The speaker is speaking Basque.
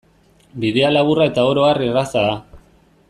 Bidea laburra eta oro har erraza da.